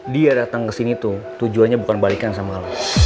dia datang kesini tuh tujuannya bukan balikan sama lo